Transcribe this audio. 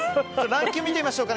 ランキングを見てみましょう。